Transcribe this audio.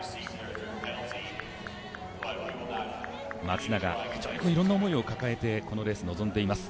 松永、非常にいろいろな思いを抱えてこのレースに臨んでいます。